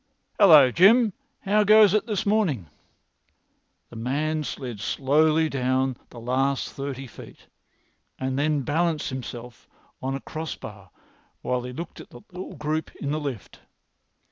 "Hallo, Jim, how goes it this morning?" The man slid swiftly down the last thirty feet, and then balanced himself on a cross bar while he looked at the little group in the lift.